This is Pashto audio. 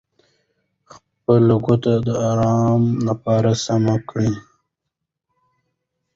خپله کوټه د ارام لپاره سمه کړه.